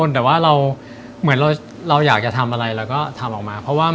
เยอะมากเลยนะ